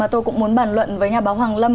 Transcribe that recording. tôi cũng muốn bàn luận với nhà báo hoàng lâm